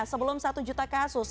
sebelum satu juta kasus